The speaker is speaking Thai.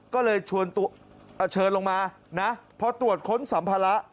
ก็เลยเชิญลงมานะพอตรวจค้นสัมภาระ